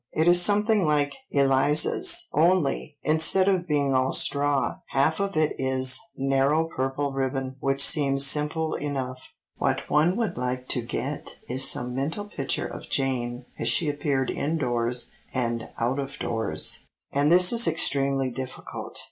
It is something like Eliza's, only, instead of being all straw, half of it is narrow purple ribbon," which seems simple enough. [Illustration: DRESSING TO GO OUT] What one would like to get is some mental picture of Jane as she appeared indoors and out of doors, and this is extremely difficult.